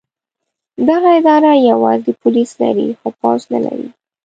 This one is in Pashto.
دغه اداره یوازې پولیس لري خو پوځ نه لري.